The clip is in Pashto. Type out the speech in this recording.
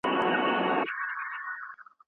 یا وو دوی تر موږ اوږده